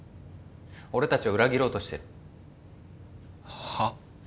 俺達を裏切ろうとしてるはっ？